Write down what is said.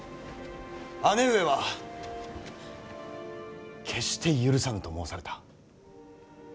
姉上は決して許さぬと申された。